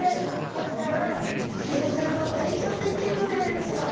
こちらはカレイちゃんの代表といっていいのではないでしょうか？